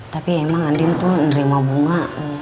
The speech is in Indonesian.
tapi emang andin tuh nerima bunga